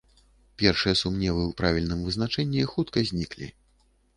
Першыя сумневы ў правільным вызначэнні хутка зніклі.